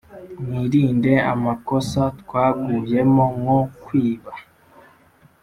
mwirinde amakosa twaguyemo nko kwiba